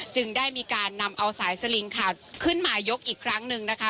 จึงได้มีการนำเอาสายสลิงค่ะขึ้นมายกอีกครั้งหนึ่งนะคะ